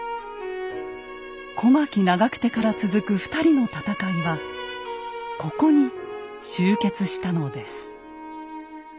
小牧・長久手から続く２人の戦いはここに終結したのです。